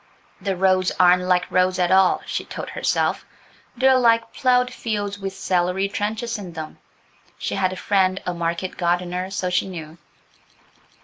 "The roads aren't like roads at all," she told herself, "they're like ploughed fields with celery trenches in them"–she had a friend a market gardener, so she knew.